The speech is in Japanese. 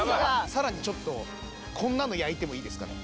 さらにちょっとこんなの焼いてもいいですかね